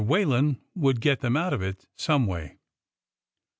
Whalen would get them out of it some way.